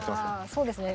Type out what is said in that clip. そうですね